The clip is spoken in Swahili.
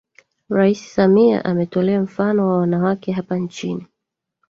Rais Samia ametolea mfano wa Wanawake hapa nchini